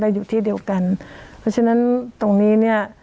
และอยู่ที่เดียวกันเพราะฉะนั้นตรงนี้เนี่ย